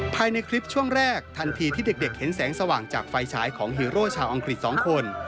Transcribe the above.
ภายในคลิปช่วงแรกทันทีที่เด็กเห็นแสงสว่างจากไฟฉายของฮีโร่ชาวอังกฤษ๒คน